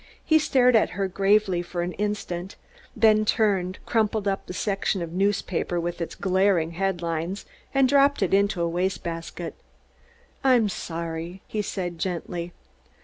He stared at her gravely for an instant, then turned, crumpled up the section of newspaper with its glaring head lines and dropped it into a waste basket. "I'm sorry," he said gently.